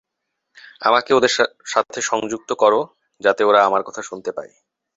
আমাকে ওদের সাথে সংযুক্ত করো যাতে ওরা আমার কথা শুনতে পায়।